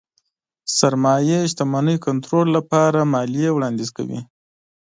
سرمايې شتمنۍ کنټرول لپاره ماليې وړانديز کوي.